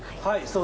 はい。